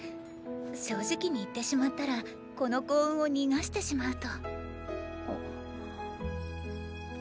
正直に言ってしまったらこの幸運を逃してしまうと。